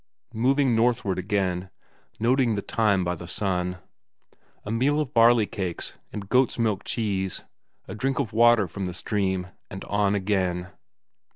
moving northward again, noting time by the sun; a meal of barley cakes and goats' milk cheese, a drink of water from the stream, and on again.